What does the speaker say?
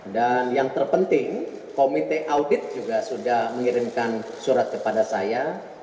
dan yang terpenting komite audit juga sudah mengirimkan surat kepada saya